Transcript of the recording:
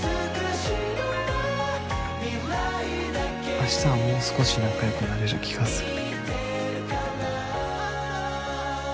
あしたはもう少し仲良くなれる気がする。